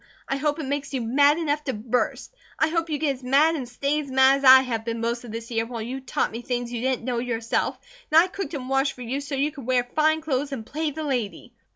I hope it makes you mad enough to burst. I hope you get as mad and stay as mad as I have been most of this year while you taught me things you didn't know yourself; and I cooked and washed for you so you could wear fine clothes and play the lady.